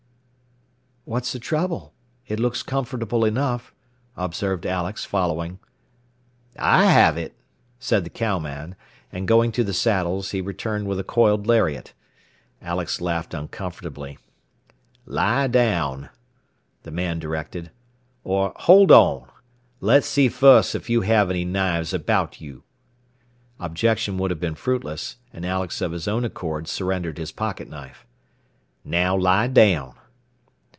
"What's the trouble? It looks comfortable enough," observed Alex, following. "I have it," said the cowman, and going to the saddles, he returned with a coiled lariat. Alex laughed uncomfortably. "Lie down," the man directed. "Or, hold on! Let's see first if you have any knives about you." Objection would have been fruitless, and Alex of his own accord surrendered his pocket knife. "Now lie down."